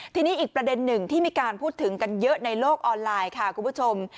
ทีนี้อีกประเด็นหนึ่งที่มีการพูดถึงกันเยอะในโลกออนไลน์ค่ะคุณผู้ชม